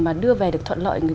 mà đưa về được thuận lợi